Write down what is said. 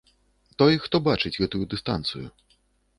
Той, хто бачыць гэтую дыстанцыю.